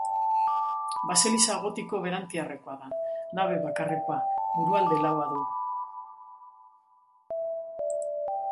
Baseliza gotiko berantiarrekoa da, nabe bakarrekoa, burualde laua du.